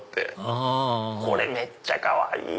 あこれめっちゃかわいい！